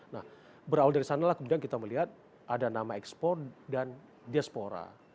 nah berawal dari sanalah kemudian kita melihat ada nama ekspor dan diaspora